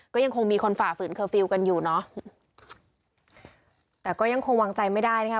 ก็ยังคงมีคนฝ่าฝืนเคอร์ฟิลล์กันอยู่เนอะแต่ก็ยังคงวางใจไม่ได้นะคะ